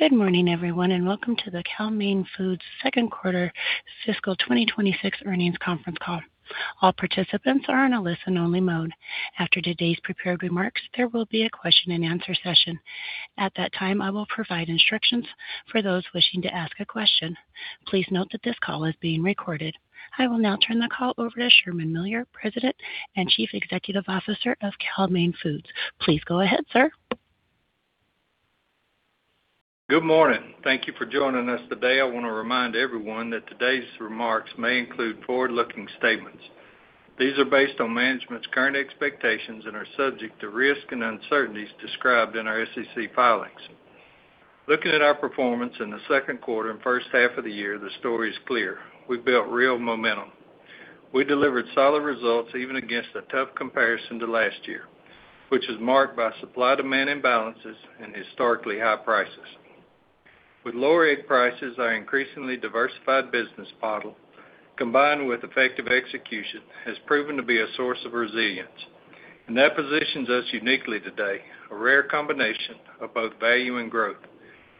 Good morning, everyone, and welcome to the Cal-Maine Foods second quarter fiscal 2026 earnings conference call. All participants are on a listen-only mode. After today's prepared remarks, there will be a question-and-answer session. At that time, I will provide instructions for those wishing to ask a question. Please note that this call is being recorded. I will now turn the call over to Sherman Miller, President and Chief Executive Officer of Cal-Maine Foods. Please go ahead, sir. Good morning. Thank you for joining us today. I want to remind everyone that today's remarks may include forward-looking statements. These are based on management's current expectations and are subject to risk and uncertainties described in our SEC filings. Looking at our performance in the second quarter and first half of the year, the story is clear. We built real momentum. We delivered solid results even against a tough comparison to last year, which is marked by supply-demand imbalances and historically high prices. With lower egg prices, our increasingly diversified business model, combined with effective execution, has proven to be a source of resilience. And that positions us uniquely today, a rare combination of both value and growth,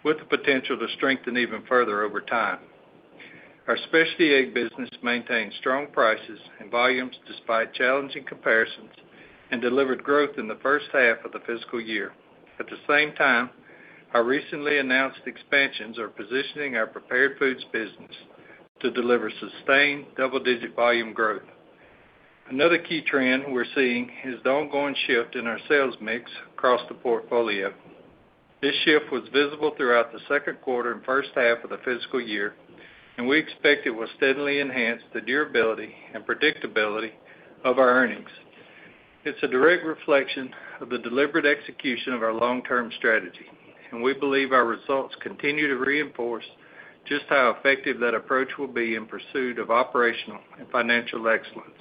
with the potential to strengthen even further over time. Our specialty egg business maintained strong prices and volumes despite challenging comparisons and delivered growth in the first half of the fiscal year. At the same time, our recently announced expansions are positioning our prepared foods business to deliver sustained double-digit volume growth. Another key trend we're seeing is the ongoing shift in our sales mix across the portfolio. This shift was visible throughout the second quarter and first half of the fiscal year, and we expect it will steadily enhance the durability and predictability of our earnings. It's a direct reflection of the deliberate execution of our long-term strategy, and we believe our results continue to reinforce just how effective that approach will be in pursuit of operational and financial excellence.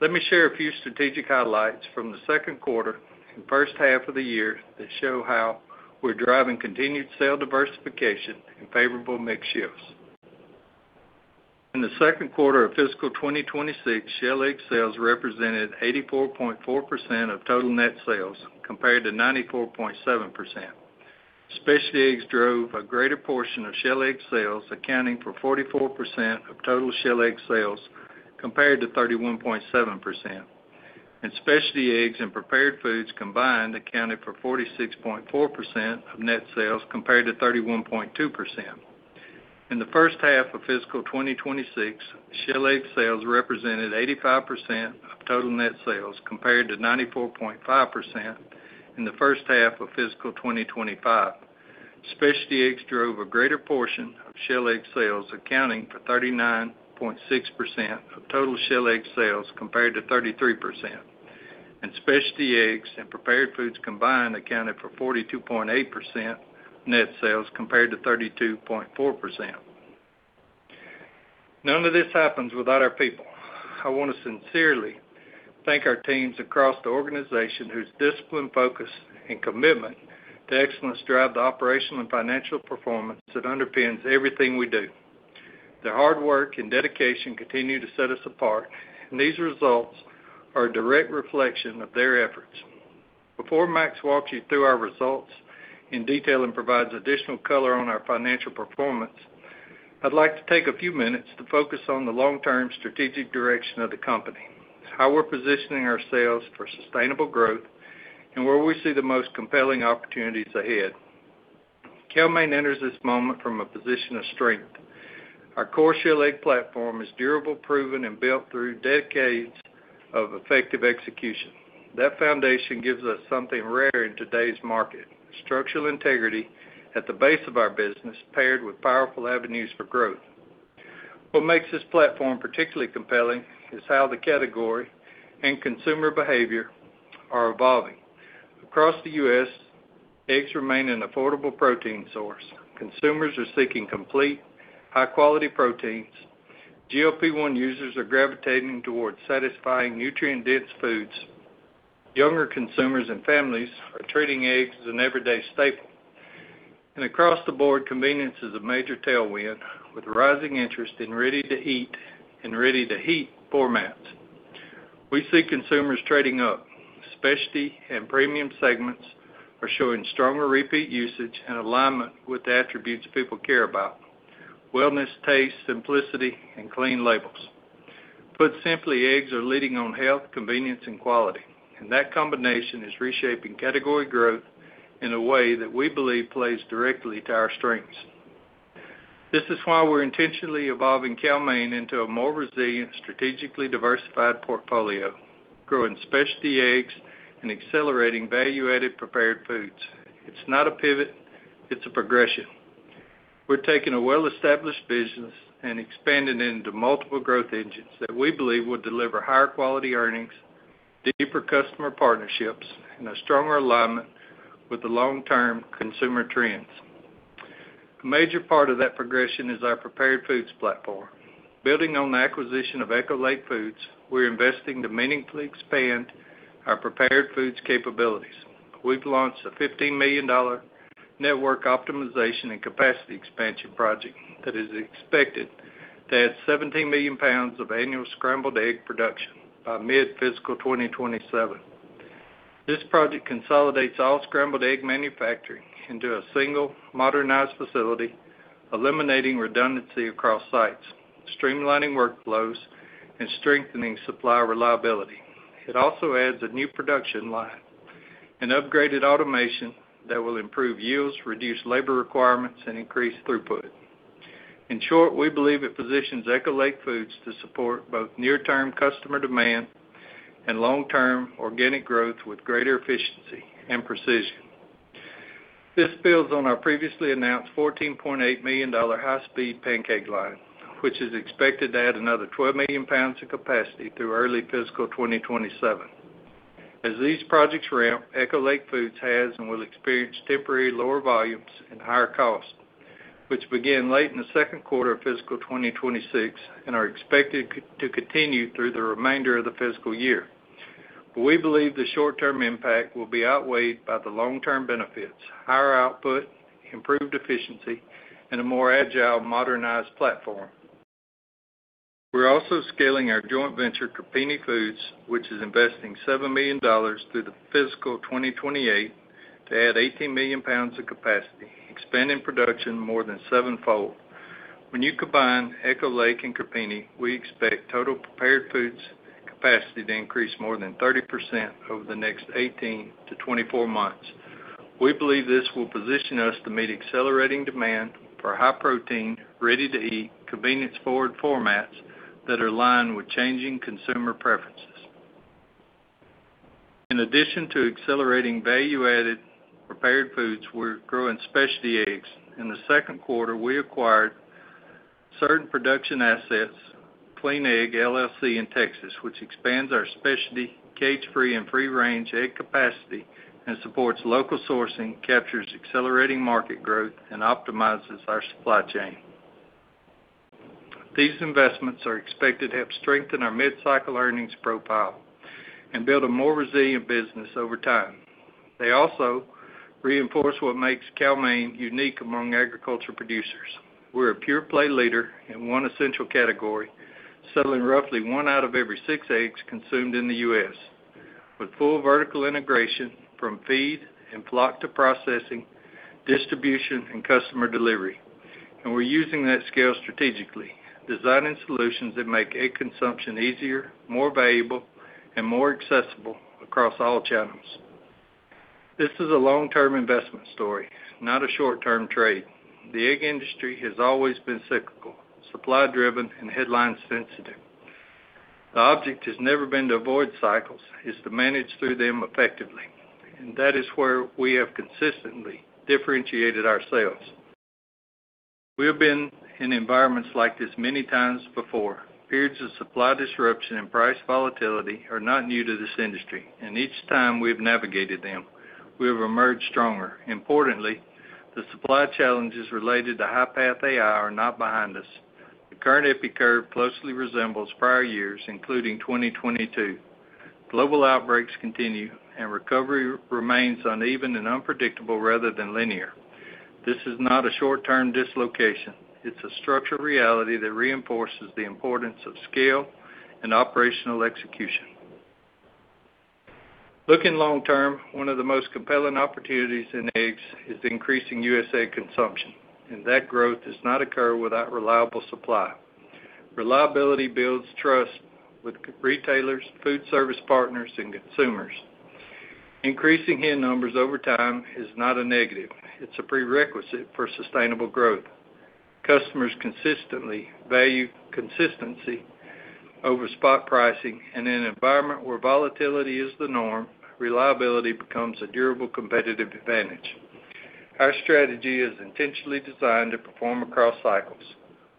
Let me share a few strategic highlights from the second quarter and first half of the year that show how we're driving continued sale diversification and favorable mix shifts. In the second quarter of fiscal 2026, shell egg sales represented 84.4% of total net sales compared to 94.7%. Specialty eggs drove a greater portion of shell egg sales, accounting for 44% of total shell egg sales compared to 31.7%. And specialty eggs and prepared foods combined accounted for 46.4% of net sales compared to 31.2%. In the first half of fiscal 2026, shell egg sales represented 85% of total net sales compared to 94.5% in the first half of fiscal 2025. Specialty eggs drove a greater portion of shell egg sales, accounting for 39.6% of total shell egg sales compared to 33%. And specialty eggs and prepared foods combined accounted for 42.8% net sales compared to 32.4%. None of this happens without our people. I want to sincerely thank our teams across the organization whose discipline, focus, and commitment to excellence drive the operational and financial performance that underpins everything we do. Their hard work and dedication continue to set us apart, and these results are a direct reflection of their efforts. Before Max walks you through our results in detail and provides additional color on our financial performance, I'd like to take a few minutes to focus on the long-term strategic direction of the company, how we're positioning ourselves for sustainable growth, and where we see the most compelling opportunities ahead. Cal-Maine enters this moment from a position of strength. Our core shell egg platform is durable, proven, and built through decades of effective execution. That foundation gives us something rare in today's market: structural integrity at the base of our business, paired with powerful avenues for growth. What makes this platform particularly compelling is how the category and consumer behavior are evolving. Across the U.S., eggs remain an affordable protein source. Consumers are seeking complete, high-quality proteins. GLP-1 users are gravitating towards satisfying nutrient-dense foods. Younger consumers and families are treating eggs as an everyday staple and across the board, convenience is a major tailwind, with rising interest in ready-to-eat and ready-to-heat formats. We see consumers trading up. Specialty and premium segments are showing stronger repeat usage and alignment with the attributes people care about: wellness, taste, simplicity, and clean labels. Put simply, eggs are leading on health, convenience, and quality and that combination is reshaping category growth in a way that we believe plays directly to our strengths. This is why we're intentionally evolving Cal-Maine into a more resilient, strategically diversified portfolio, growing specialty eggs and accelerating value-added prepared foods. It's not a pivot. It's a progression. We're taking a well-established business and expanding into multiple growth engines that we believe will deliver higher quality earnings, deeper customer partnerships, and a stronger alignment with the long-term consumer trends. A major part of that progression is our prepared foods platform. Building on the acquisition of Echo Lake Foods, we're investing to meaningfully expand our prepared foods capabilities. We've launched a $15 million network optimization and capacity expansion project that is expected to add $17 million of annual scrambled egg production by mid-fiscal 2027. This project consolidates all scrambled egg manufacturing into a single, modernized facility, eliminating redundancy across sites, streamlining workflows, and strengthening supply reliability. It also adds a new production line, an upgraded automation that will improve yields, reduce labor requirements, and increase throughput. In short, we believe it positions Echo Lake Foods to support both near-term customer demand and long-term organic growth with greater efficiency and precision. This builds on our previously announced $14.8 million high-speed pancake line, which is expected to add another $12 million in capacity through early fiscal 2027. As these projects ramp, Echo Lake Foods has and will experience temporary lower volumes and higher costs, which began late in the second quarter of fiscal 2026 and are expected to continue through the remainder of the fiscal year. We believe the short-term impact will be outweighed by the long-term benefits: higher output, improved efficiency, and a more agile, modernized platform. We're also scaling our joint venture, Crepini, which is investing $7 million through the fiscal 2028 to add $18 million of capacity, expanding production more than seven-fold. When you combine Echo Lake and Crepini, we expect total prepared foods capacity to increase more than 30% over the next 18 to 24 months. We believe this will position us to meet accelerating demand for high-protein, ready-to-eat, convenience-forward formats that are aligned with changing consumer preferences. In addition to accelerating value-added prepared foods, we're growing specialty eggs. In the second quarter, we acquired certain production assets, Clean Egg LLC in Texas, which expands our specialty cage-free and free-range egg capacity and supports local sourcing, captures accelerating market growth, and optimizes our supply chain. These investments are expected to help strengthen our mid-cycle earnings profile and build a more resilient business over time. They also reinforce what makes Cal-Maine unique among agriculture producers. We're a pure-play leader in one essential category, selling roughly one out of every six eggs consumed in the U.S., with full vertical integration from feed and flock to processing, distribution, and customer delivery, and we're using that scale strategically, designing solutions that make egg consumption easier, more valuable, and more accessible across all channels. This is a long-term investment story, not a short-term trade. The egg industry has always been cyclical, supply-driven, and headline-sensitive. The object has never been to avoid cycles. It's to manage through them effectively, and that is where we have consistently differentiated ourselves. We have been in environments like this many times before. Periods of supply disruption and price volatility are not new to this industry, and each time we've navigated them, we have emerged stronger. Importantly, the supply challenges related to High-path AI are not behind us. The current EPI curve closely resembles prior years, including 2022. Global outbreaks continue, and recovery remains uneven and unpredictable rather than linear. This is not a short-term dislocation. It's a structural reality that reinforces the importance of scale and operational execution. Looking long-term, one of the most compelling opportunities in eggs is increasing U.S. egg consumption, and that growth does not occur without reliable supply. Reliability builds trust with retailers, food service partners, and consumers. Increasing head numbers over time is not a negative. It's a prerequisite for sustainable growth. Customers consistently value consistency over spot pricing, and in an environment where volatility is the norm, reliability becomes a durable competitive advantage. Our strategy is intentionally designed to perform across cycles.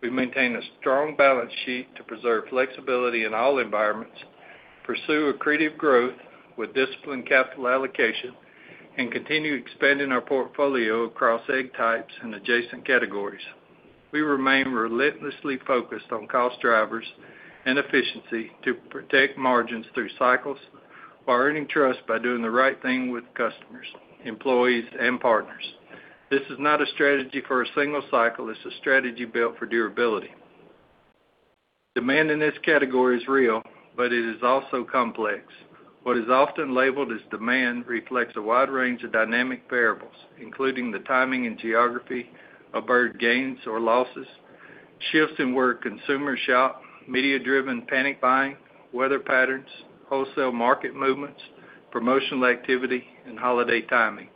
We maintain a strong balance sheet to preserve flexibility in all environments, pursue accretive growth with disciplined capital allocation, and continue expanding our portfolio across egg types and adjacent categories. We remain relentlessly focused on cost drivers and efficiency to protect margins through cycles while earning trust by doing the right thing with customers, employees, and partners. This is not a strategy for a single cycle. It's a strategy built for durability. Demand in this category is real, but it is also complex. What is often labeled as demand reflects a wide range of dynamic variables, including the timing and geography of bird gains or losses, shifts in where consumers shop, media-driven panic buying, weather patterns, wholesale market movements, promotional activity, and holiday timing.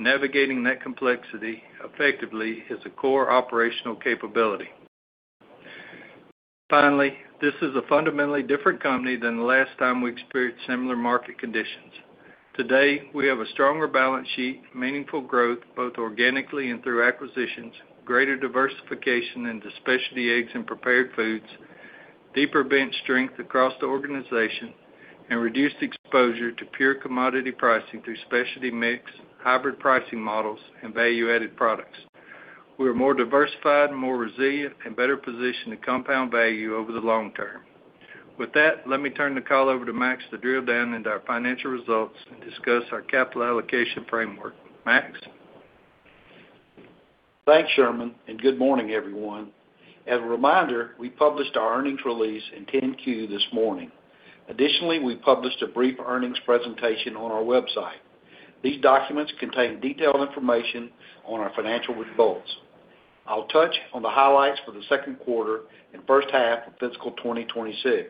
Navigating that complexity effectively is a core operational capability. Finally, this is a fundamentally different company than the last time we experienced similar market conditions. Today, we have a stronger balance sheet, meaningful growth both organically and through acquisitions, greater diversification into specialty eggs and prepared foods, deeper bench strength across the organization, and reduced exposure to pure commodity pricing through specialty mix, hybrid pricing models, and value-added products. We are more diversified, more resilient, and better positioned to compound value over the long term. With that, let me turn the call over to Max to drill down into our financial results and discuss our capital allocation framework. Max? Thanks, Sherman, and good morning, everyone. As a reminder, we published our earnings release in 10-Q this morning. Additionally, we published a brief earnings presentation on our website. These documents contain detailed information on our financial results. I'll touch on the highlights for the second quarter and first half of Fiscal 2026.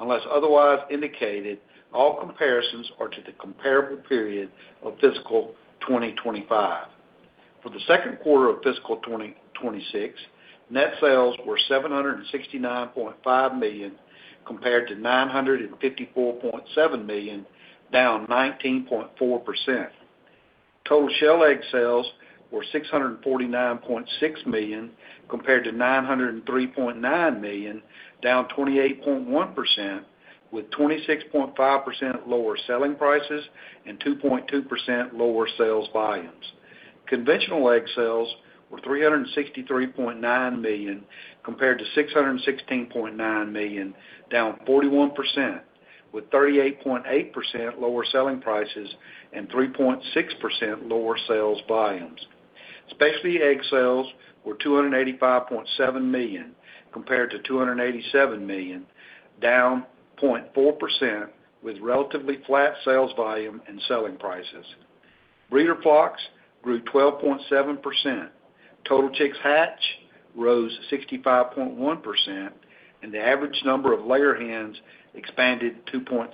Unless otherwise indicated, all comparisons are to the comparable period of Fiscal 2025. For the second quarter of fiscal 2026, net sales were $769.5 million compared to $954.7 million, down 19.4%. Total shell egg sales were $649.6 million compared to $903.9 million, down 28.1%, with 26.5% lower selling prices and 2.2% lower sales volumes. Conventional egg sales were $363.9 million compared to $616.9 million, down 41%, with 38.8% lower selling prices and 3.6% lower sales volumes. Specialty egg sales were $285.7 million compared to $287 million, down 0.4%, with relatively flat sales volume and selling prices. Breeder flocks grew 12.7%. Total chicks hatch rose 65.1%, and the average number of layer hens expanded 2.6%.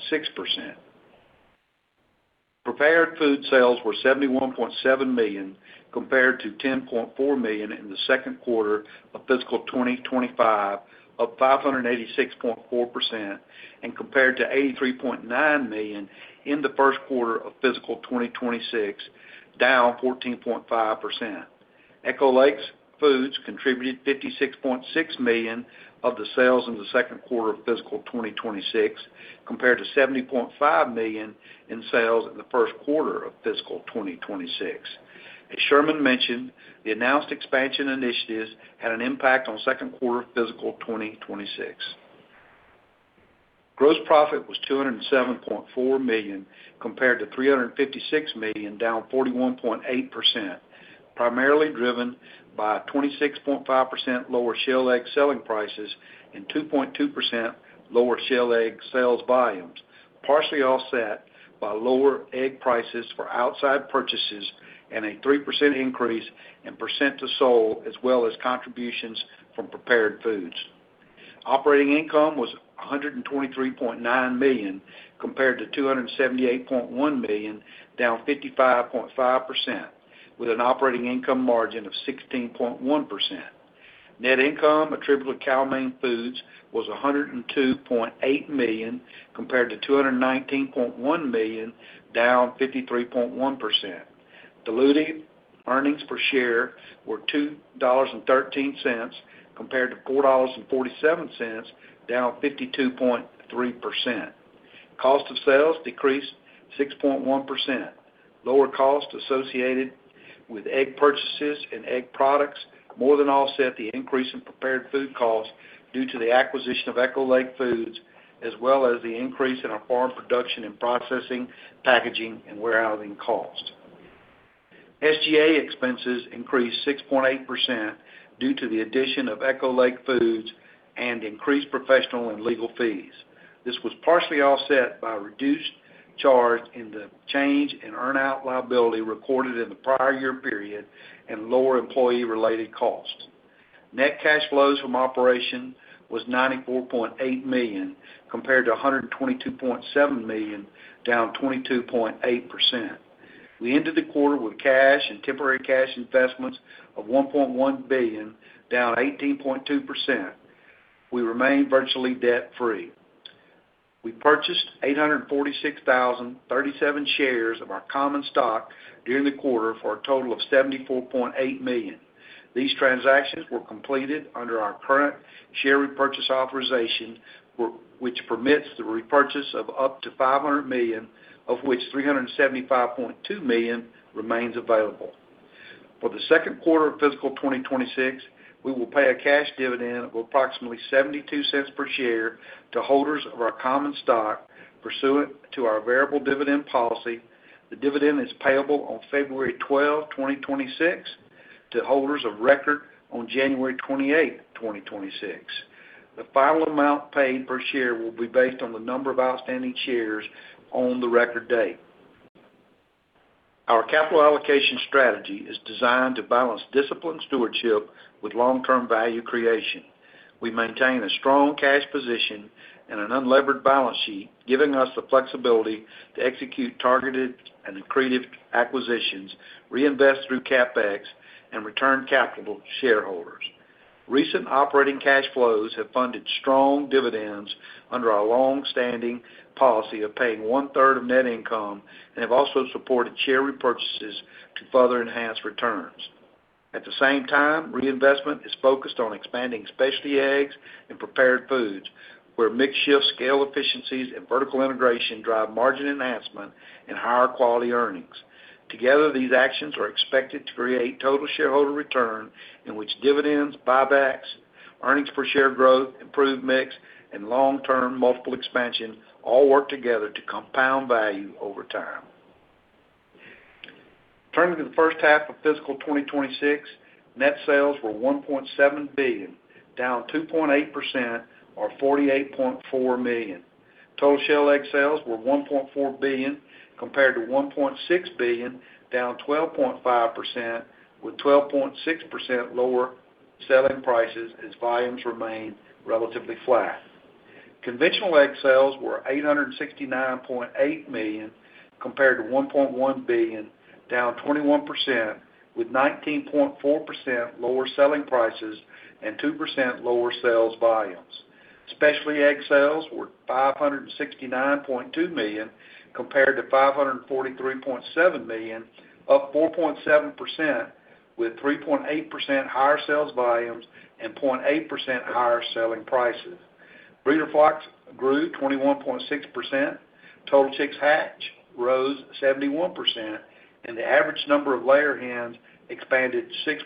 Prepared food sales were $71.7 million compared to $10.4 million in the second quarter of fiscal 2025, up 586.4%, and compared to $83.9 million in the first quarter of fiscal 2026, down 14.5%. Echo Lake Foods contributed $56.6 million of the sales in the second quarter of fiscal 2026 compared to $70.5 million in sales in the first quarter of fiscal 2026. As Sherman mentioned, the announced expansion initiatives had an impact on second quarter of fiscal 2026. Gross profit was $207.4 million compared to $356 million, down 41.8%, primarily driven by 26.5% lower shell egg selling prices and 2.2% lower shell egg sales volumes, partially offset by lower egg prices for outside purchases and a 3% increase in percent to sold, as well as contributions from prepared foods. Operating income was $123.9 million compared to $278.1 million, down 55.5%, with an operating income margin of 16.1%. Net income attributable to Cal-Maine Foods was $102.8 million compared to $219.1 million, down 53.1%. Diluted earnings per share were $2.13 compared to $4.47, down 52.3%. Cost of sales decreased 6.1%. Lower costs associated with egg purchases and egg products more than offset the increase in prepared food costs due to the acquisition of Echo Lake Foods, as well as the increase in our farm production and processing, packaging, and warehousing costs. SG&A expenses increased 6.8% due to the addition of Echo Lake Foods and increased professional and legal fees. This was partially offset by reduced charge in the change in earn-out liability recorded in the prior year period and lower employee-related costs. Net cash flows from operation was $94.8 million compared to $122.7 million, down 22.8%. We ended the quarter with cash and temporary cash investments of $1.1 billion, down 18.2%. We remained virtually debt-free. We purchased 846,037 shares of our common stock during the quarter for a total of $74.8 million. These transactions were completed under our current share repurchase authorization, which permits the repurchase of up to $500 million, of which $375.2 million remains available. For the second quarter of fiscal 2026, we will pay a cash dividend of approximately $0.72 per share to holders of our common stock, pursuant to our variable dividend policy. The dividend is payable on February 12, 2026, to holders of record on January 28, 2026. The final amount paid per share will be based on the number of outstanding shares on the record date. Our capital allocation strategy is designed to balance disciplined stewardship with long-term value creation. We maintain a strong cash position and an unlevered balance sheet, giving us the flexibility to execute targeted and accretive acquisitions, reinvest through CapEx, and return capital to shareholders. Recent operating cash flows have funded strong dividends under our long-standing policy of paying one-third of net income and have also supported share repurchases to further enhance returns. At the same time, reinvestment is focused on expanding specialty eggs and prepared foods, where mixed-shift scale efficiencies and vertical integration drive margin enhancement and higher quality earnings. Together, these actions are expected to create total shareholder return in which dividends, buybacks, earnings per share growth, improved mix, and long-term multiple expansion all work together to compound value over time. Turning to the first half of fiscal 2026, net sales were $1.7 billion, down 2.8%, or $48.4 million. Total shell egg sales were $1.4 billion compared to $1.6 billion, down 12.5%, with 12.6% lower selling prices as volumes remain relatively flat. Conventional egg sales were $869.8 million compared to $1.1 billion, down 21%, with 19.4% lower selling prices and 2% lower sales volumes. Specialty egg sales were $569.2 million compared to $543.7 million, up 4.7%, with 3.8% higher sales volumes and 0.8% higher selling prices. Breeder flocks grew 21.6%. Total chicks hatch rose 71%, and the average number of layer hens expanded 6%.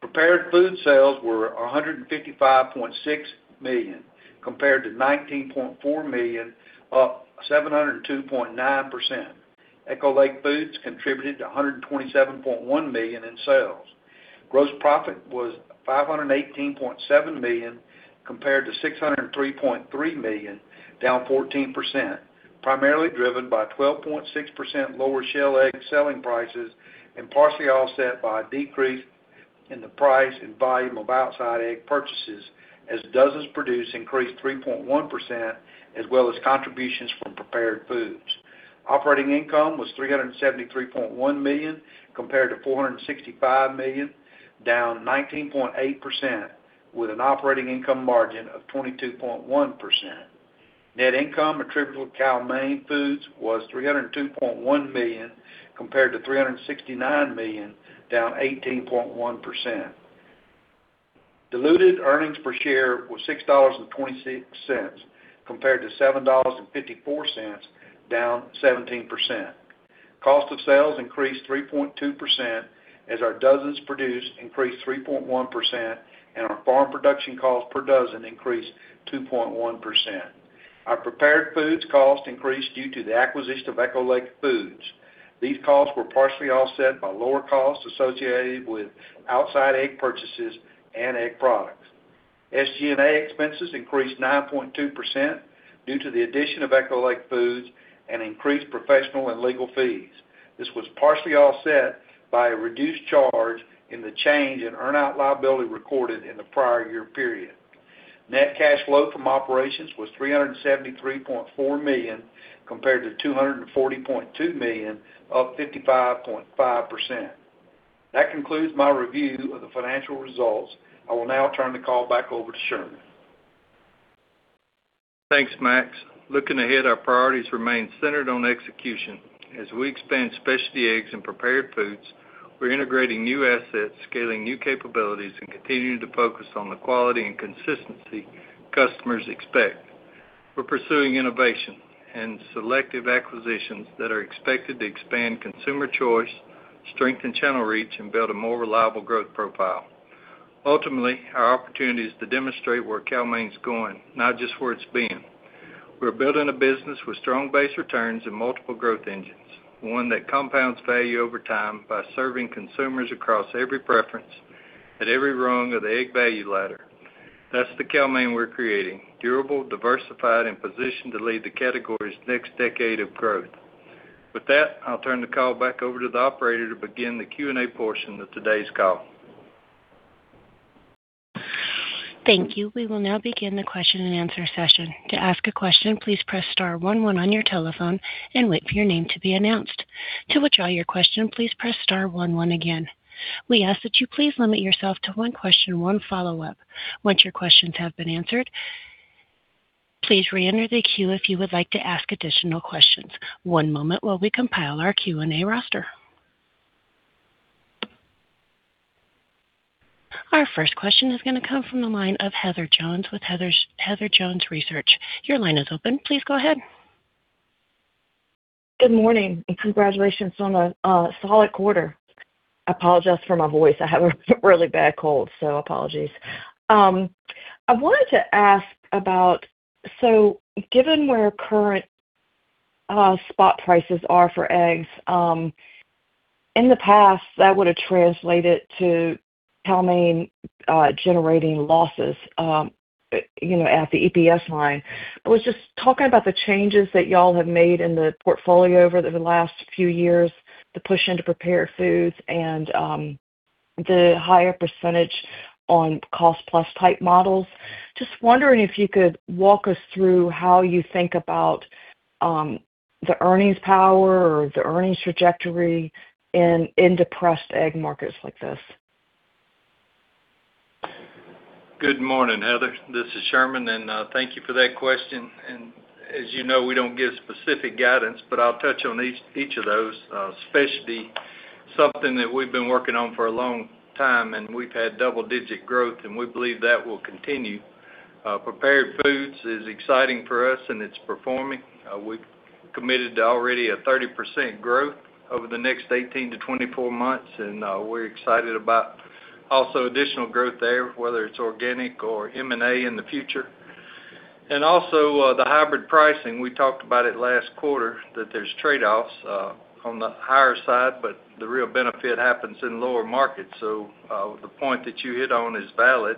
Prepared food sales were $155.6 million compared to $19.4 million, up 702.9%. Echo Lake Foods contributed to $127.1 million in sales. Gross profit was $518.7 million compared to $603.3 million, down 14%, primarily driven by 12.6% lower shell egg selling prices and partially offset by a decrease in the price and volume of outside egg purchases as dozens produced increased 3.1%, as well as contributions from prepared foods. Operating income was $373.1 million compared to $465 million, down 19.8%, with an operating income margin of 22.1%. Net income attributable to Cal-Maine Foods was $302.1 million compared to $369 million, down 18.1%. Diluted earnings per share was $6.26 compared to $7.54, down 17%. Cost of sales increased 3.2% as our dozens produced increased 3.1%, and our farm production costs per dozen increased 2.1%. Our prepared foods cost increased due to the acquisition of Echo Lake Foods. These costs were partially offset by lower costs associated with outside egg purchases and egg products. SG&A expenses increased 9.2% due to the addition of Echo Lake Foods and increased professional and legal fees. This was partially offset by a reduced charge in the change in earn-out liability recorded in the prior year period. Net cash flow from operations was $373.4 million compared to $240.2 million, up 55.5%. That concludes my review of the financial results. I will now turn the call back over to Sherman. Thanks, Max. Looking ahead, our priorities remain centered on execution. As we expand specialty eggs and prepared foods, we're integrating new assets, scaling new capabilities, and continuing to focus on the quality and consistency customers expect. We're pursuing innovation and selective acquisitions that are expected to expand consumer choice, strengthen channel reach, and build a more reliable growth profile. Ultimately, our opportunity is to demonstrate where Cal-Maine's going, not just where it's been. We're building a business with strong base returns and multiple growth engines, one that compounds value over time by serving consumers across every preference, at every rung of the egg value ladder. That's the Cal-Maine we're creating: durable, diversified, and positioned to lead the category's next decade of growth. With that, I'll turn the call back over to the operator to begin the Q&A portion of today's call. Thank you. We will now begin the question and answer session. To ask a question, please press star 11 on your telephone and wait for your name to be announced. To withdraw your question, please press star 11 again. We ask that you please limit yourself to one question, one follow-up. Once your questions have been answered, please re-enter the queue if you would like to ask additional questions. One moment while we compile our Q&A roster. Our first question is going to come from the line of Heather Jones with Heather Jones Research. Your line is open. Please go ahead. Good morning and congratulations on a solid quarter. I apologize for my voice. I have a really bad cold, so apologies. I wanted to ask about, so given where current spot prices are for eggs, in the past, that would have translated to Cal-Maine generating losses at the EPS line. I was just talking about the changes that y'all have made in the portfolio over the last few years, the push into prepared foods and the higher percentage on cost-plus type models. Just wondering if you could walk us through how you think about the earnings power or the earnings trajectory in depressed egg markets like this? Good morning, Heather. This is Sherman, and thank you for that question, and as you know, we don't give specific guidance, but I'll touch on each of those. Specialty, something that we've been working on for a long time, and we've had double-digit growth, and we believe that will continue. Prepared foods is exciting for us, and it's performing. We've committed to already a 30% growth over the next 18-24 months, and we're excited about also additional growth there, whether it's organic or M&A in the future. And also the hybrid pricing, we talked about it last quarter, that there's trade-offs on the higher side, but the real benefit happens in lower markets. So the point that you hit on is valid.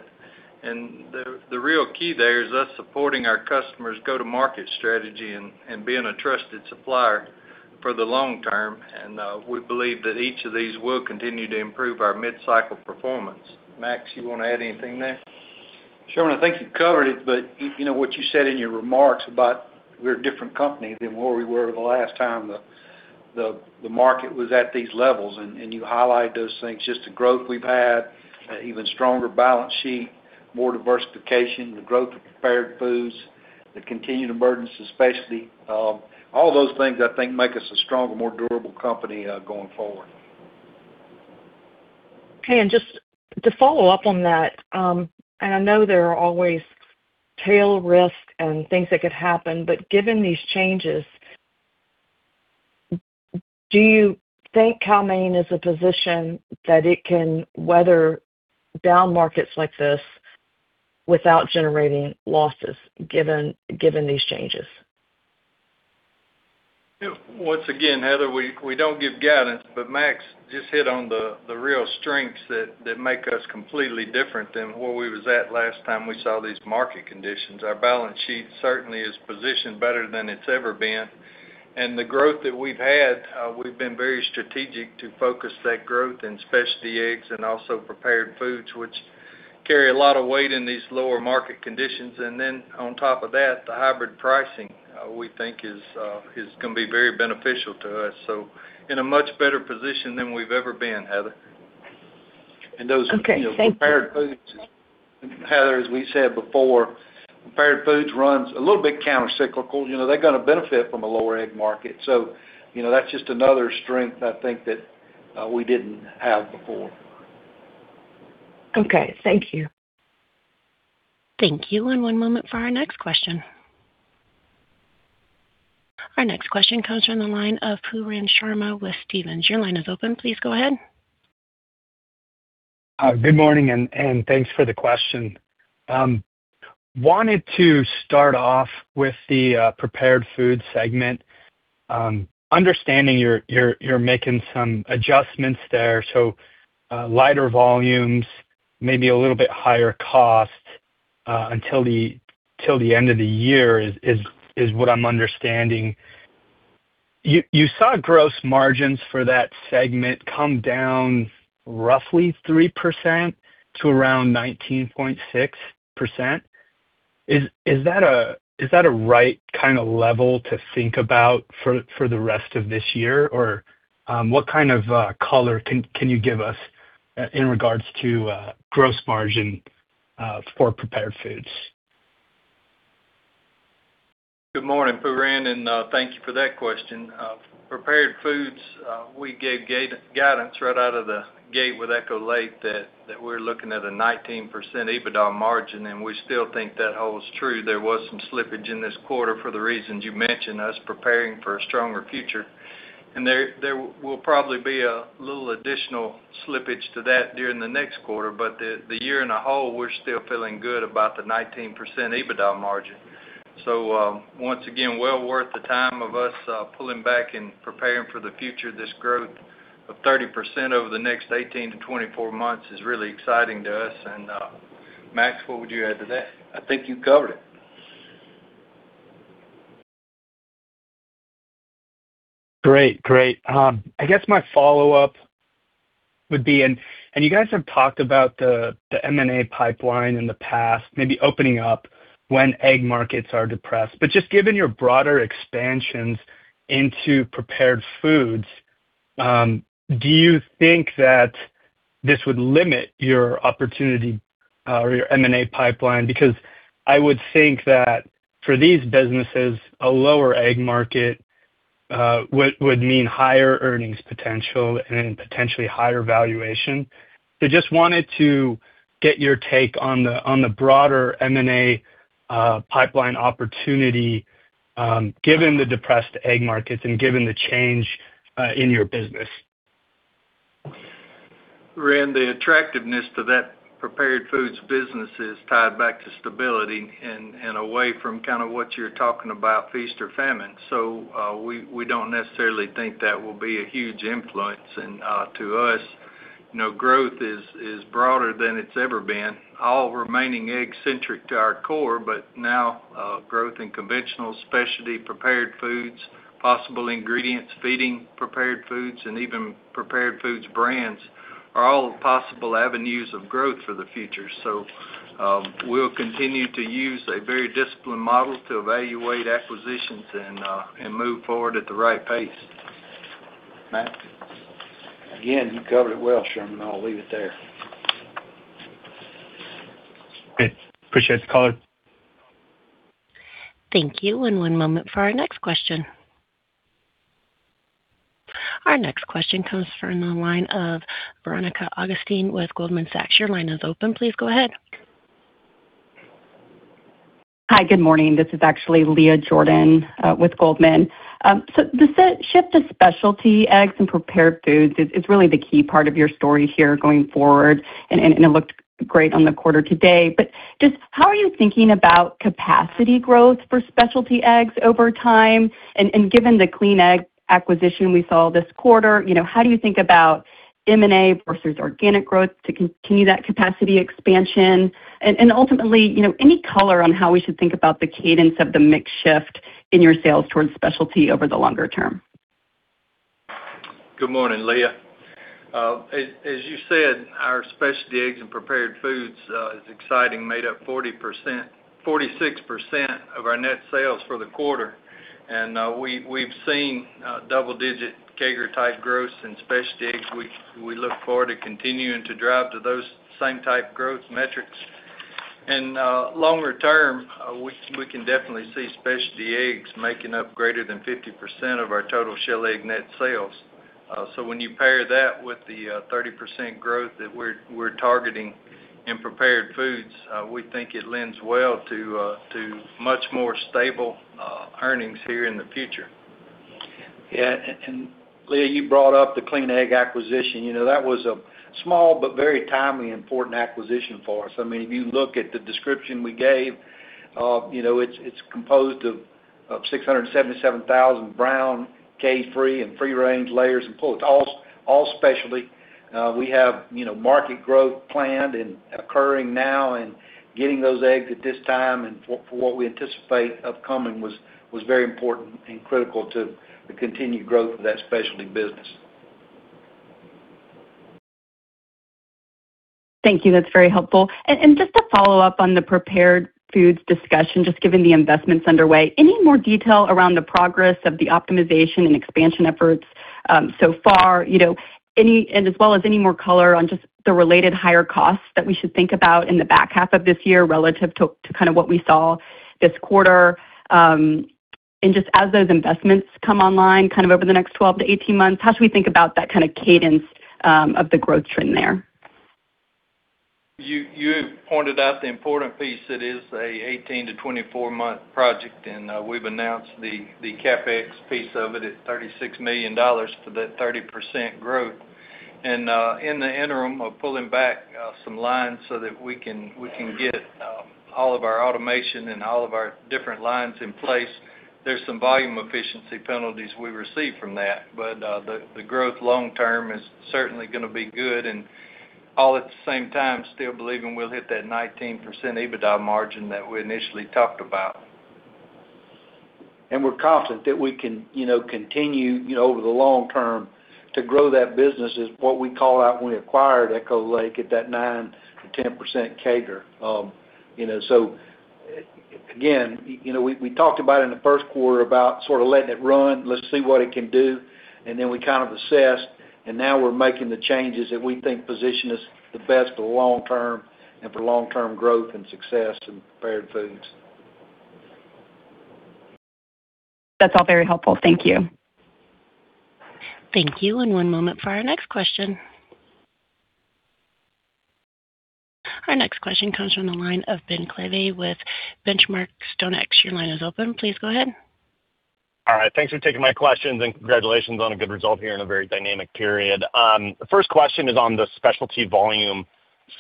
And the real key there is us supporting our customers' go-to-market strategy and being a trusted supplier for the long term. And we believe that each of these will continue to improve our mid-cycle performance. Max, you want to add anything there? Sherman, I think you covered it, but what you said in your remarks about we're a different company than where we were the last time the market was at these levels, and you highlighted those things, just the growth we've had, even stronger balance sheet, more diversification, the growth of prepared foods, the continued emergence of specialty. All those things I think make us a stronger, more durable company going forward. Okay. And just to follow up on that, and I know there are always tail risk and things that could happen, but given these changes, do you think Cal-Maine is a position that it can weather down markets like this without generating losses given these changes? Once again, Heather, we don't give guidance, but Max just hit on the real strengths that make us completely different than where we was at last time we saw these market conditions. Our balance sheet certainly is positioned better than it's ever been. And the growth that we've had, we've been very strategic to focus that growth in specialty eggs and also prepared foods, which carry a lot of weight in these lower market conditions. And then on top of that, the hybrid pricing we think is going to be very beneficial to us. So in a much better position than we've ever been, Heather. And those prepared foods, Heather, as we said before, prepared foods run a little bit countercyclical. They're going to benefit from a lower egg market. So that's just another strength I think that we didn't have before. Okay. Thank you. Thank you. And one moment for our next question. Our next question comes from the line of Poonam Sharma with Stephens. Your line is open. Please go ahead. Good morning and thanks for the question. Wanted to start off with the prepared foods segment. Understanding you're making some adjustments there. So lighter volumes, maybe a little bit higher costs until the end of the year is what I'm understanding. You saw gross margins for that segment come down roughly 3% to around 19.6%. Is that a right kind of level to think about for the rest of this year? Or what kind of color can you give us in regards to gross margin for prepared foods? Good morning, Pooran, and thank you for that question. Prepared foods, we gave guidance right out of the gate with Echo Lake that we're looking at a 19% EBITDA margin, and we still think that holds true. There was some slippage in this quarter for the reasons you mentioned, us preparing for a stronger future. There will probably be a little additional slippage to that during the next quarter, but the year as a whole, we're still feeling good about the 19% EBITDA margin. Once again, well worth the time of us pulling back and preparing for the future. This growth of 30% over the next 18-24 months is really exciting to us. Max, what would you add to that? I think you covered it. Great. Great. I guess my follow-up would be, and you guys have talked about the M&A pipeline in the past, maybe opening up when egg markets are depressed. But just given your broader expansions into prepared foods, do you think that this would limit your opportunity or your M&A pipeline? Because I would think that for these businesses, a lower egg market would mean higher earnings potential and potentially higher valuation. So just wanted to get your take on the broader M&A pipeline opportunity given the depressed egg markets and given the change in your business. Randy, attractiveness to that prepared foods business is tied back to stability and away from kind of what you're talking about, feast or famine. So we don't necessarily think that will be a huge influence. And to us, growth is broader than it's ever been, all remaining egg-centric to our core, but now growth in conventional specialty prepared foods, possible ingredients feeding prepared foods, and even prepared foods brands are all possible avenues of growth for the future. So we'll continue to use a very disciplined model to evaluate acquisitions and move forward at the right pace. Max? Again, you covered it well, Sherman. I'll leave it there. Appreciate the call. Thank you. And one moment for our next question. Our next question comes from the line of Veronica Agustine with Goldman Sachs. Your line is open. Please go ahead. Hi, good morning. This is actually Leah Jordan with Goldman. So the shift to specialty eggs and prepared foods is really the key part of your story here going forward, and it looked great on the quarter today. But just how are you thinking about capacity growth for specialty eggs over time? And given the Clean Egg acquisition we saw this quarter, how do you think about M&A versus organic growth to continue that capacity expansion? And ultimately, any color on how we should think about the cadence of the mix shift in your sales towards specialty over the longer term? Good morning, Leah. As you said, our specialty eggs and prepared foods is exciting, made up 46% of our net sales for the quarter. And we've seen double-digit CAGR-type growth in specialty eggs. We look forward to continuing to drive to those same type growth metrics. And longer term, we can definitely see specialty eggs making up greater than 50% of our total shell egg net sales. So when you pair that with the 30% growth that we're targeting in prepared foods, we think it lends well to much more stable earnings here in the future. Yeah. And Leah, you brought up the Clean Egg acquisition. That was a small but very timely important acquisition for us. I mean, if you look at the description we gave, it's composed of 677,000 brown cage-free and free-range layers and pullets. It's all specialty. We have market growth planned and occurring now, and getting those eggs at this time and for what we anticipate upcoming was very important and critical to the continued growth of that specialty business. Thank you. That's very helpful. Just to follow up on the prepared foods discussion, just given the investments underway, any more detail around the progress of the optimization and expansion efforts so far, and as well as any more color on just the related higher costs that we should think about in the back half of this year relative to kind of what we saw this quarter? And just as those investments come online kind of over the next 12-18 months, how should we think about that kind of cadence of the growth trend there? You pointed out the important piece. It is an 18-24-month project, and we've announced the CapEx piece of it at $36 million for that 30% growth. In the interim, of pulling back some lines so that we can get all of our automation and all of our different lines in place, there's some volume efficiency penalties we receive from that. But the growth long term is certainly going to be good. And all at the same time, still believing we'll hit that 19% EBITDA margin that we initially talked about. And we're confident that we can continue over the long term to grow that business is what we called out when we acquired Echo Lake at that 9%-10% CAGR. So again, we talked about it in the first quarter about sort of letting it run. Let's see what it can do. And then we kind of assessed. And now we're making the changes that we think position us the best for long term and for long-term growth and success in prepared foods. That's all very helpful. Thank you. Thank you. And one moment for our next question. Our next question comes from the line of Ben Klieve with The Benchmark Company. Your line is open. Please go ahead. All right. Thanks for taking my questions, and congratulations on a good result here in a very dynamic period. The first question is on the specialty volume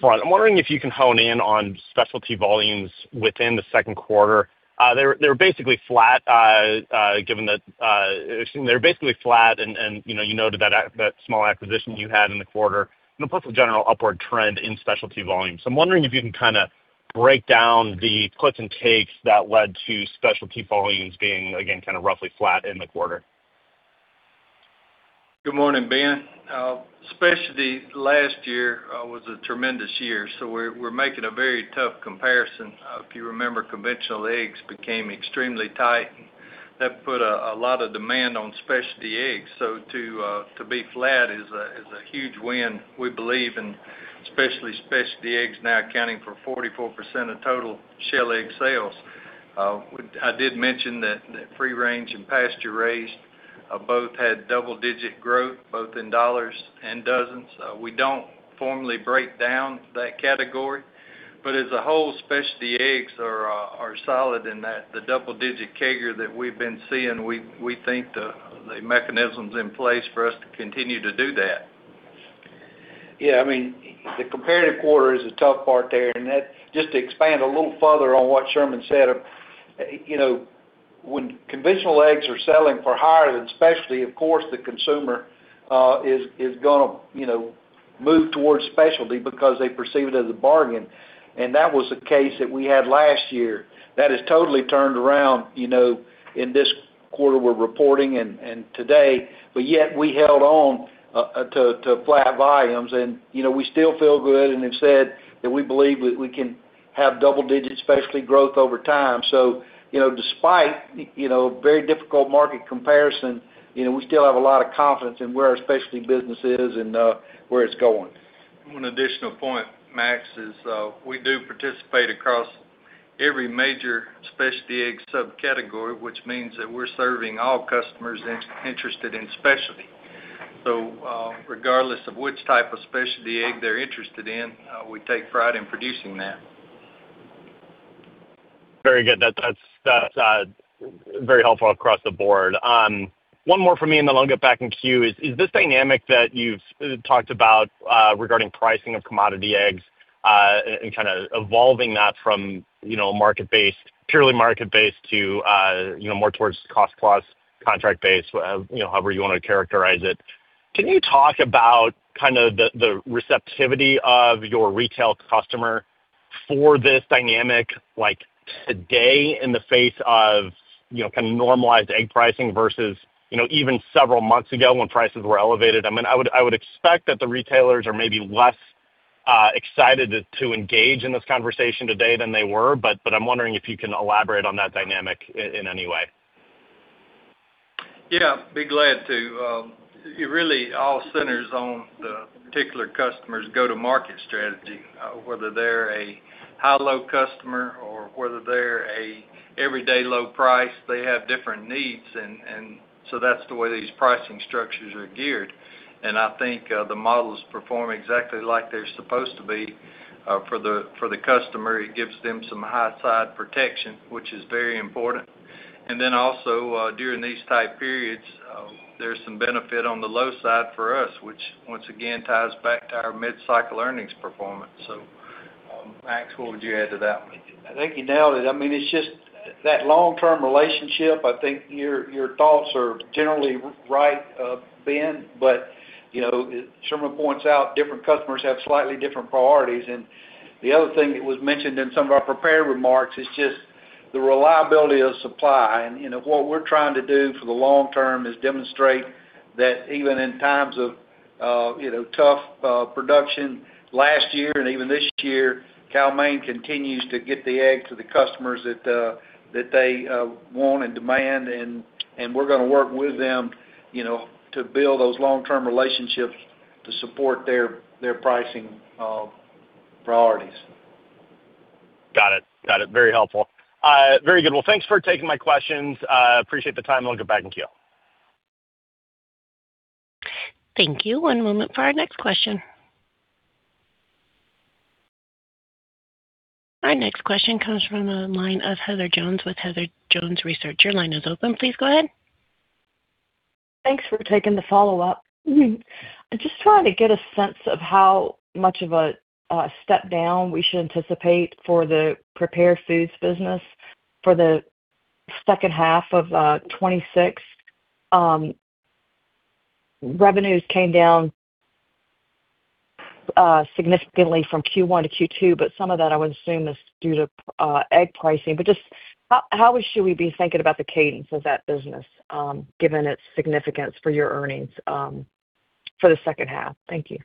front. I'm wondering if you can hone in on specialty volumes within the second quarter. They were basically flat given that they were basically flat, and you noted that small acquisition you had in the quarter, and plus the general upward trend in specialty volumes. So I'm wondering if you can kind of break down the gives and takes that led to specialty volumes being, again, kind of roughly flat in the quarter. Good morning, Ben. Specialty last year was a tremendous year. So we're making a very tough comparison. If you remember, conventional eggs became extremely tight. That put a lot of demand on specialty eggs. So to be flat is a huge win, we believe, and especially specialty eggs now accounting for 44% of total shell egg sales. I did mention that free-range and pasture-raised both had double-digit growth, both in dollars and dozens. We don't formally break down that category. But as a whole, specialty eggs are solid in that the double-digit CAGR that we've been seeing, we think the mechanisms in place for us to continue to do that. Yeah. I mean, the comparative quarter is a tough part there. And just to expand a little further on what Sherman said, when conventional eggs are selling for higher than specialty, of course, the consumer is going to move towards specialty because they perceive it as a bargain. And that was a case that we had last year that has totally turned around in this quarter we're reporting and today. But yet we held on to flat volumes, and we still feel good and have said that we believe that we can have double-digit specialty growth over time. So despite a very difficult market comparison, we still have a lot of confidence in where our specialty business is and where it's going. One additional point, Max, is we do participate across every major specialty egg subcategory, which means that we're serving all customers interested in specialty. So regardless of which type of specialty egg they're interested in, we take pride in producing that. Very good. That's very helpful across the board. One more for me, and then I'll get back in queue. Is this dynamic that you've talked about regarding pricing of commodity eggs and kind of evolving that from purely market-based to more towards cost-plus, contract-based, however you want to characterize it? Can you talk about kind of the receptivity of your retail customer for this dynamic today in the face of kind of normalized egg pricing versus even several months ago when prices were elevated? I mean, I would expect that the retailers are maybe less excited to engage in this conversation today than they were, but I'm wondering if you can elaborate on that dynamic in any way. Yeah. Be glad to. It really all centers on the particular customer's go-to-market strategy, whether they're a high-low customer or whether they're an everyday low price. They have different needs, and so that's the way these pricing structures are geared. I think the models perform exactly like they're supposed to be for the customer. It gives them some high-side protection, which is very important. And then also during these type periods, there's some benefit on the low side for us, which once again ties back to our mid-cycle earnings performance. So Max, what would you add to that? I think you nailed it. I mean, it's just that long-term relationship. I think your thoughts are generally right, Ben, but Sherman points out different customers have slightly different priorities. And the other thing that was mentioned in some of our prepared remarks is just the reliability of supply. And what we're trying to do for the long term is demonstrate that even in times of tough production last year and even this year, Cal-Maine continues to get the eggs to the customers that they want and demand, and we're going to work with them to build those long-term relationships to support their pricing priorities. Got it. Got it. Very helpful. Very good. Well, thanks for taking my questions. Appreciate the time. I'll get back in queue. Thank you. One moment for our next question. Our next question comes from the line of Heather Jones with Heather Jones Research. Your line is open. Please go ahead. Thanks for taking the follow-up. I'm just trying to get a sense of how much of a step down we should anticipate for the prepared foods business for the second half of 2026. Revenues came down significantly from Q1 to Q2, but some of that I would assume is due to egg pricing. But just how should we be thinking about the cadence of that business given its significance for your earnings for the second half? Thank you.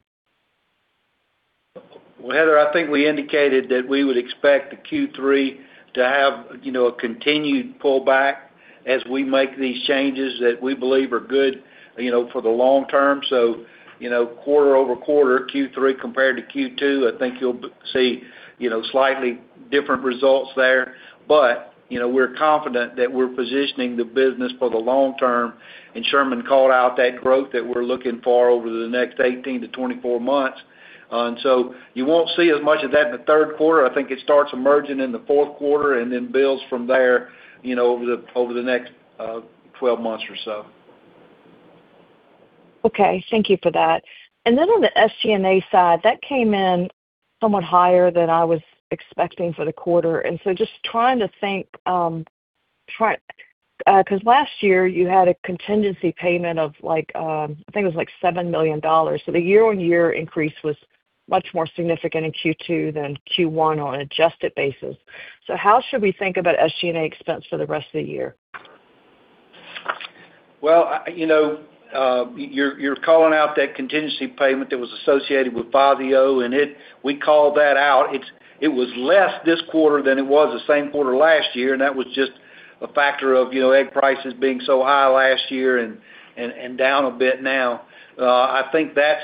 Well, Heather, I think we indicated that we would expect the Q3 to have a continued pullback as we make these changes that we believe are good for the long term. So quarter over quarter, Q3 compared to Q2, I think you'll see slightly different results there. But we're confident that we're positioning the business for the long term. And Sherman called out that growth that we're looking for over the next 18-24 months. And so you won't see as much of that in the third quarter. I think it starts emerging in the fourth quarter and then builds from there over the next 12 months or so. Okay. Thank you for that. Then on the SG&A side, that came in somewhat higher than I was expecting for the quarter. So just trying to think because last year you had a contingency payment of, I think it was like $7 million. The year-on-year increase was much more significant in Q2 than Q1 on an adjusted basis. How should we think about SG&A expense for the rest of the year? Well, you're calling out that contingency payment that was associated with Echo, and we called that out. It was less this quarter than it was the same quarter last year, and that was just a factor of egg prices being so high last year and down a bit now. I think that's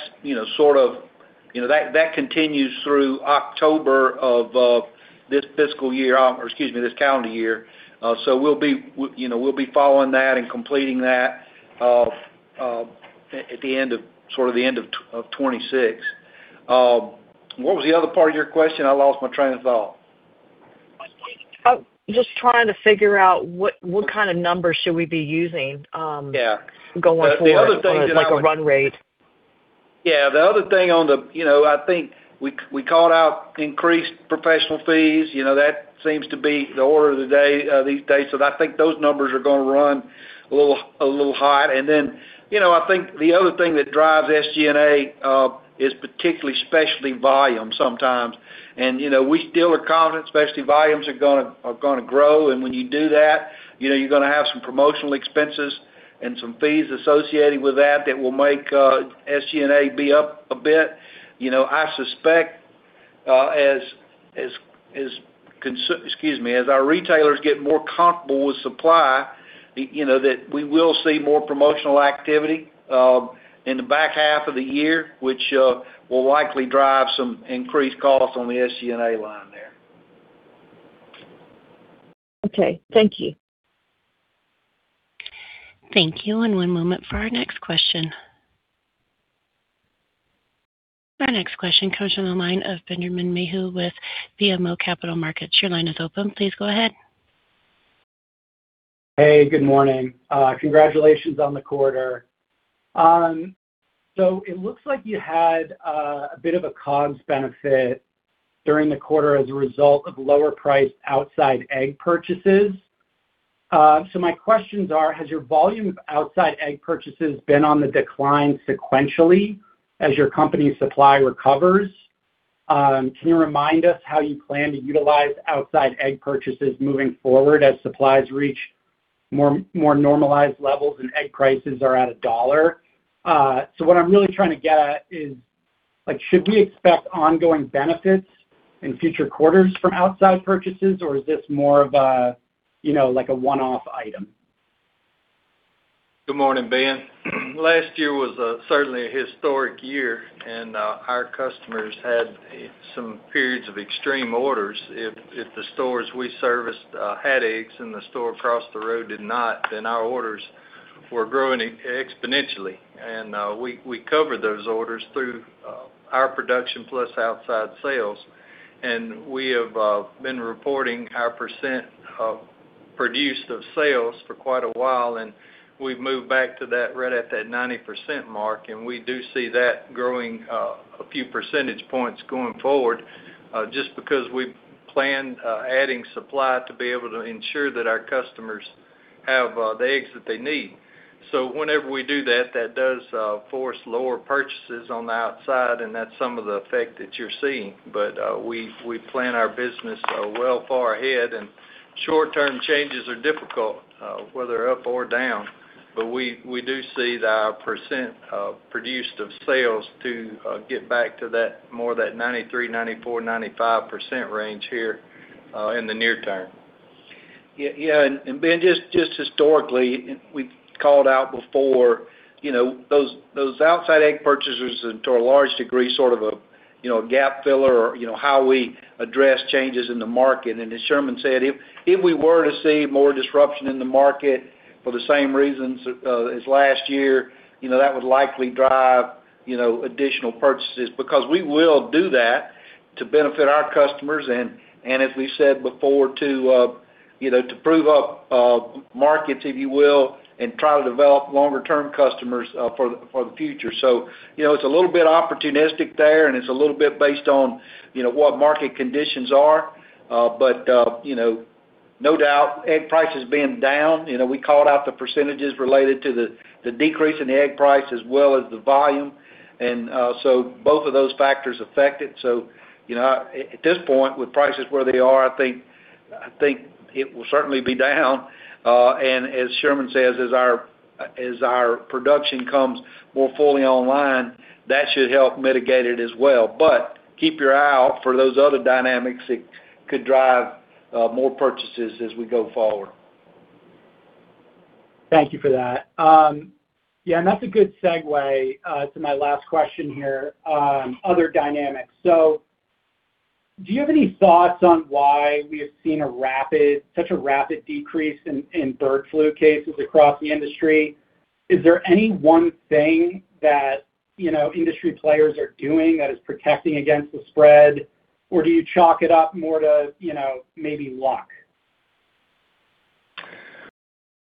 sort of that continues through October of this fiscal year or, excuse me, this calendar year. So we'll be following that and completing that at the end of sort of the end of 2026. What was the other part of your question? I lost my train of thought. Just trying to figure out what kind of numbers should we be using going forward. Yeah. The other thing is like a run rate. Yeah. The other thing on the I think we called out increased professional fees. That seems to be the order of the day these days. So I think those numbers are going to run a little high. And then I think the other thing that drives SG&A is particularly specialty volume sometimes. And we still are confident specialty volumes are going to grow. And when you do that, you're going to have some promotional expenses and some fees associated with that that will make SG&A be up a bit. I suspect as, excuse me, as our retailers get more comfortable with supply, that we will see more promotional activity in the back half of the year, which will likely drive some increased costs on the SG&A line there. Okay. Thank you. Thank you. And one moment for our next question. Our next question comes from the line of Ben Theurer with BMO Capital Markets. Your line is open. Please go ahead. Hey, good morning. Congratulations on the quarter. So it looks like you had a bit of a cost benefit during the quarter as a result of lower-priced outside egg purchases. So my questions are, has your volume of outside egg purchases been on the decline sequentially as your company's supply recovers? Can you remind us how you plan to utilize outside egg purchases moving forward as supplies reach more normalized levels and egg prices are at $1? So what I'm really trying to get at is, should we expect ongoing benefits in future quarters from outside purchases, or is this more of a one-off item? Good morning, Ben. Last year was certainly a historic year, and our customers had some periods of extreme orders. If the stores we serviced had eggs and the store across the road did not, then our orders were growing exponentially. And we covered those orders through our production plus outside sales. And we have been reporting our percent produced of sales for quite a while, and we've moved back to that right at that 90% mark. And we do see that growing a few percentage points going forward just because we planned adding supply to be able to ensure that our customers have the eggs that they need. So whenever we do that, that does force lower purchases on the outside, and that's some of the effect that you're seeing. But we plan our business well far ahead, and short-term changes are difficult, whether up or down. But we do see our percent produced of sales to get back to more of that 93%-95% range here in the near term. Yeah. And Ben, just historically, we've called out before those outside egg purchasers are to a large degree sort of a gap filler or how we address changes in the market. And as Sherman said, if we were to see more disruption in the market for the same reasons as last year, that would likely drive additional purchases because we will do that to benefit our customers and, as we said before, to prove up markets, if you will, and try to develop longer-term customers for the future. So it's a little bit opportunistic there, and it's a little bit based on what market conditions are. But no doubt, egg prices being down, we called out the percentages related to the decrease in the egg price as well as the volume. And so both of those factors affect it. So at this point, with prices where they are, I think it will certainly be down. And as Sherman says, as our production comes more fully online, that should help mitigate it as well. But keep your eye out for those other dynamics that could drive more purchases as we go forward. Thank you for that. Yeah. And that's a good segue to my last question here, other dynamics. So do you have any thoughts on why we have seen such a rapid decrease in bird flu cases across the industry? Is there any one thing that industry players are doing that is protecting against the spread, or do you chalk it up more to maybe luck?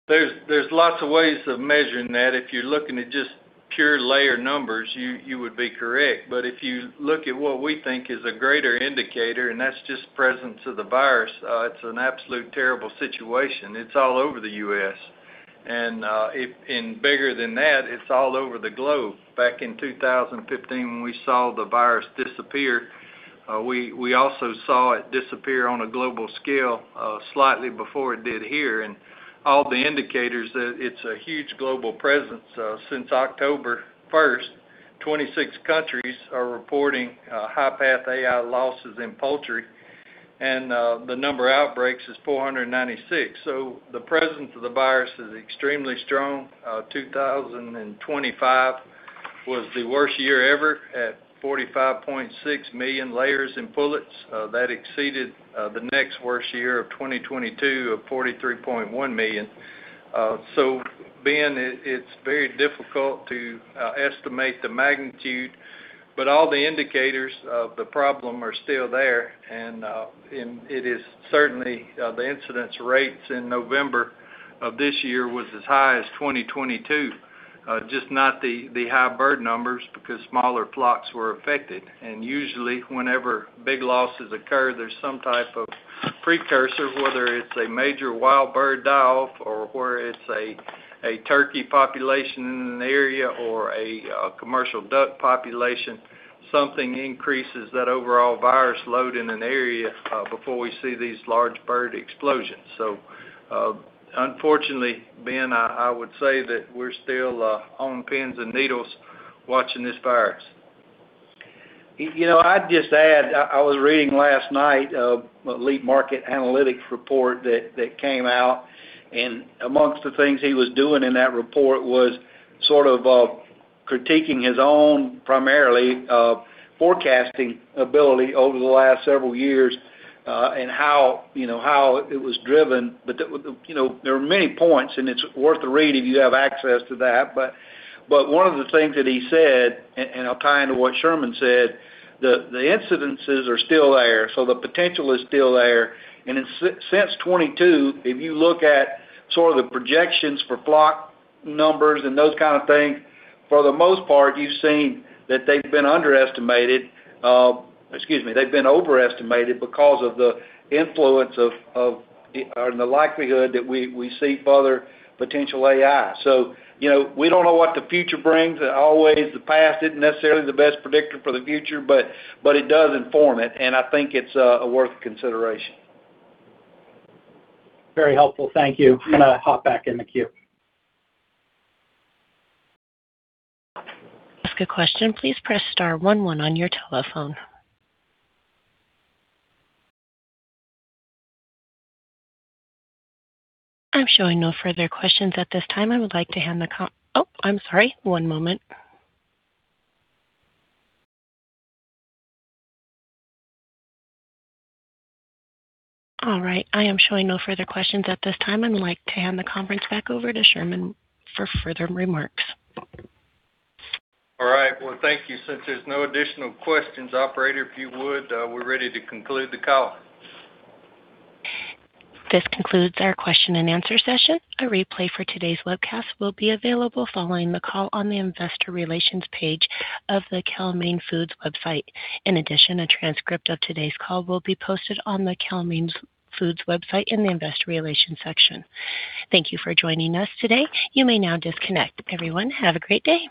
There's lots of ways of measuring that. If you're looking at just pure layer numbers, you would be correct. But if you look at what we think is a greater indicator, and that's just presence of the virus, it's an absolute terrible situation. It's all over the U.S. And bigger than that, it's all over the globe. Back in 2015, when we saw the virus disappear, we also saw it disappear on a global scale slightly before it did here. All the indicators that it's a huge global presence. Since October 1st, 26 countries are reporting high-path AI losses in poultry. The number of outbreaks is 496. The presence of the virus is extremely strong. 2025 was the worst year ever at 45.6 million layers culled. That exceeded the next worst year of 2022 of 43.1 million. Ben, it's very difficult to estimate the magnitude, but all the indicators of the problem are still there. It is certainly the incidence rates in November of this year was as high as 2022, just not the high bird numbers because smaller flocks were affected. Usually, whenever big losses occur, there's some type of precursor, whether it's a major wild bird die-off or whether it's a turkey population in an area or a commercial duck population. Something increases that overall virus load in an area before we see these large bird explosions. Unfortunately, Ben, I would say that we're still on pins and needles watching this virus. I'd just add, I was reading last night a LEAP Market Analytics report that came out. Amongst the things he was doing in that report was sort of critiquing his own primarily forecasting ability over the last several years and how it was driven. There were many points, and it's worth the read if you have access to that. One of the things that he said, and I'll tie into what Sherman said, the incidences are still there. So the potential is still there. And since 2022, if you look at sort of the projections for flock numbers and those kind of things, for the most part, you've seen that they've been underestimated. Excuse me. They've been overestimated because of the influence of the likelihood that we see further potential AI. So we don't know what the future brings. Always the past isn't necessarily the best predictor for the future, but it does inform it. And I think it's worth consideration. Very helpful. Thank you. I'm going to hop back in the queue. Last quick question. Please press star 11 on your telephone. I'm showing no further questions at this time. I'd like to hand the conference back over to Sherman for further remarks. All right. Thank you. Since there's no additional questions, operator, if you would, we're ready to conclude the call. This concludes our question-and-answer session. A replay for today's webcast will be available following the call on the investor relations page of the Cal-Maine Foods website. In addition, a transcript of today's call will be posted on the Cal-Maine Foods website in the investor relations section. Thank you for joining us today. You may now disconnect. Everyone, have a great day.